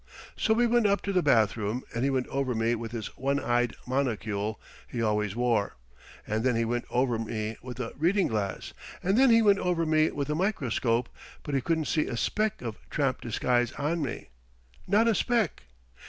So we went up to the bathroom and he went over me with this one eyed monocule he always wore, and then he went over me with a reading glass, and then he went over me with a microscope, but he couldn't see a speck of tramp disguise on me. Not a speck.